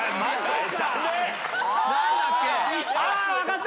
分かった！